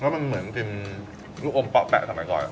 แล้วมันเหมือนกินลูกอมป๊อปแปะสมัยก่อน